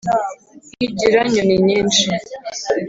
nkigira nyoninyinshi